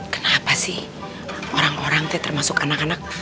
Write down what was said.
kenapa sih orang orang termasuk anak anak